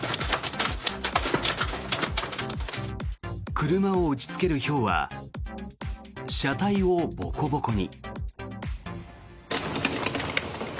車を打ちつけるひょうは車体をボコボコに。